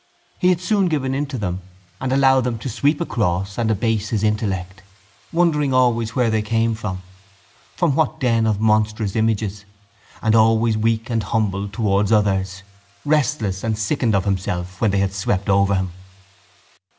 He had soon given in to them and allowed them to sweep across and abase his intellect, wondering always where they came from, from what den of monstrous images, and always weak and humble towards others, restless and sickened of himself when they had swept over him.